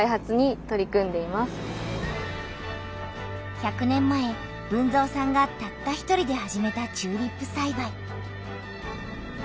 １００年前豊造さんがたった１人で始めたチューリップさいばい。